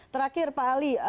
terakhir pak ali